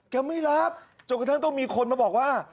ไม่รับจนกระทั่งต้องมีคนมาบอกว่า